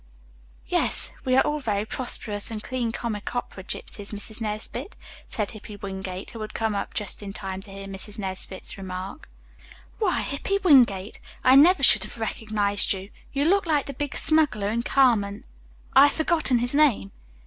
"Yes, we are all very prosperous and clean comic opera gypsies, Mrs. Nesbit," said Hippy Wingate, who had come up just in time to hear Mrs. Nesbit's remark. "Why, Hippy Wingate, I never should have recognized you. You look like the big smuggler in 'Carmen.' I have forgotten his name."